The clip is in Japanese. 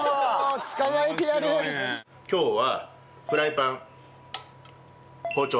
今日は。